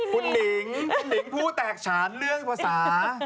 คุณหนิงคุณหนิงผู้แตกฉานเรื่องภาษา